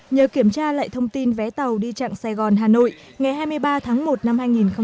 nhờ kiểm tra lại thông tin vé tàu đi chặng sài gòn hà nội ngày hai mươi ba tháng một năm hai nghìn hai mươi